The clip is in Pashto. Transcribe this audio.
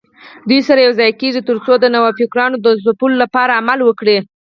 دوی سره یوځای کېږي ترڅو د نوفکرانو د ځپلو لپاره عمل وکړي